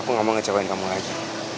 aku gak mau ngecewain kamu aja